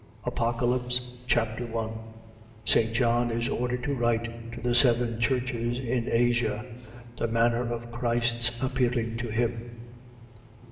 Apocalypse Chapter 1 St. John is ordered to write to the seven churches in Asia. The manner of Christ's appearing to him.